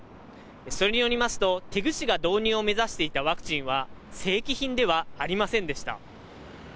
それによりますと、テグ市が導入を目指していたワクチンは、正規品ではありませんでした。